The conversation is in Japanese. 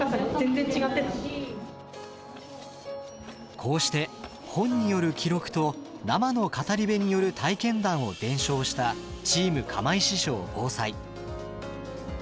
こうして本による記録と生の語り部による体験談を伝承したｔｅａｍ釜石小ぼうさい。